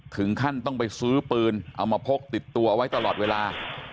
ถึงขั้นต้องไปซื้อปืนเอามาพกติดตัวไว้ตลอดเวลา